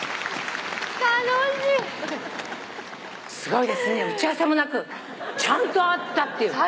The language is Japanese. すごいですね打ち合わせもなくちゃんと合ったっていう。